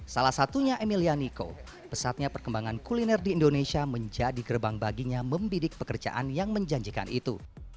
salah satunya emilia niko pesatnya perkembangan kuliner di indonesia menjadi gerbang baginya membidik pekerjaan yang menjanjikan itu